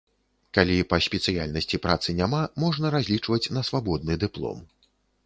Калі па спецыяльнасці працы няма, можна разлічваць на свабодны дыплом.